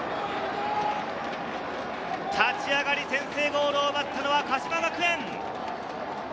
立ち上がり、先制ゴールを奪ったのは鹿島学園！